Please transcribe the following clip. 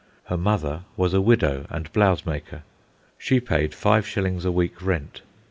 Her mother was a widow and a blouse maker. She paid five shillings a week rent.